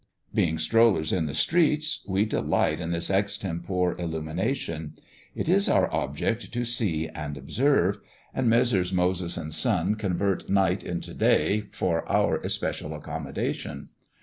Being strollers in the streets, we delight in this extempore illumination. It is our object to see and observe; and Messrs. Moses and Son convert night into day for our especial accommodation.